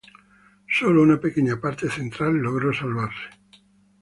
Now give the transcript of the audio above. Sólo una pequeña parte central logró salvarse.